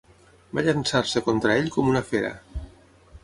Va llançar-se contra ell com una fera.